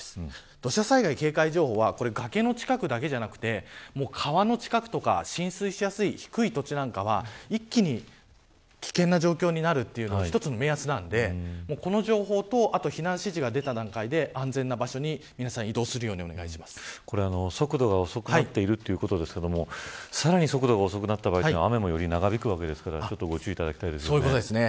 土砂災害警戒情報は崖の近くだけじゃなくて川の近くとか浸水しやすい低い土地なんかは一気に危険な状況になるというのが一つの目安なのでこの情報と避難指示が出た段階で安全な場所に、皆さん速度が遅くなっているということですがさらに速度が遅くなった場合は雨もより長引くわけですからご注意いただきたいですね。